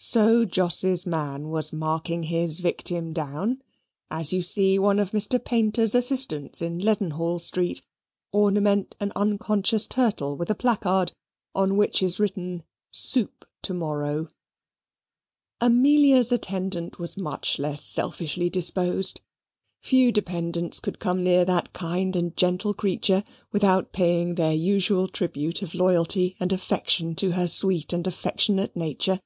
So Jos's man was marking his victim down, as you see one of Mr. Paynter's assistants in Leadenhall Street ornament an unconscious turtle with a placard on which is written, "Soup to morrow." Amelia's attendant was much less selfishly disposed. Few dependents could come near that kind and gentle creature without paying their usual tribute of loyalty and affection to her sweet and affectionate nature.